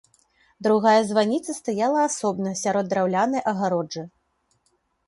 Другая званіца стаяла асобна сярод драўлянай агароджы.